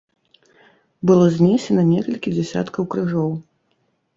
Было знесена некалькі дзясяткаў крыжоў.